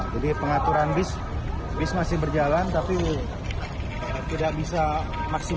jadi pengaturan bis masih berjalan tapi tidak bisa maksimum